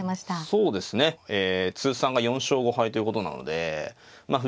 そうですね通算が４勝５敗ということなのでまあ